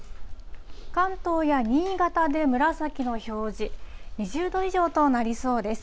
関東や新潟で紫の表示、２０度以上となりそうです。